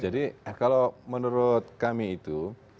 jadi kalau menurut kami itu